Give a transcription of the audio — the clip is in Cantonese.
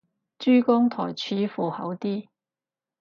珠江台似乎好啲